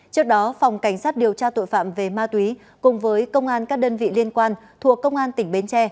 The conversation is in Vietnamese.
trước đó phòng cảnh sát điều tra tội phạm về ma túy cùng với công an các đơn vị liên quan thuộc công an tỉnh bến tre